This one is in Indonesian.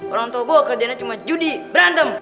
orang tua gue kerjanya cuma judi berantem